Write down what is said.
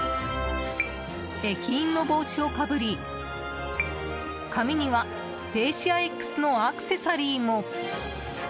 駅員の帽子をかぶり髪には「スペーシアＸ」のアクセサリーも。